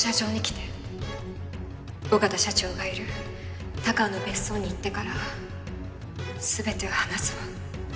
小形社長がいる高尾の別荘に行ってから全てを話すわ。